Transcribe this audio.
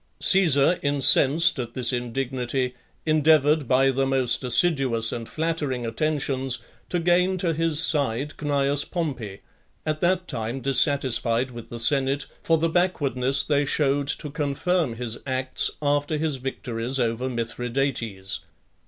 Caesar, incensed at this indignity, endeavoured by the most assiduous and flattering attentions to gain to his side Cneius Pompey, at that time dissatisfied with the senate for the backwardness they shewed to confirm his acts, after his victories over Mithridates.